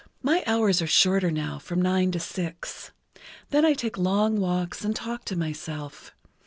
My hours are shorter, now, from nine to six. Then I take long walks and talk to myself.